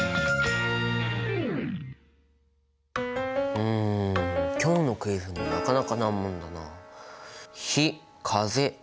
うん今日のクイズもなかなか難問だなあ。